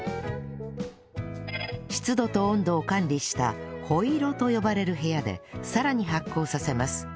湿度と温度を管理したホイロと呼ばれる部屋でさらに発酵させます